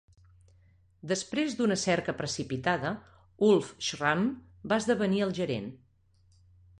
Després d'una cerca precipitada, Ulf Schramm va esdevenir el gerent.